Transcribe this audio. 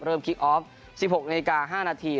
เริ่มคลิกออฟ๑๖นาที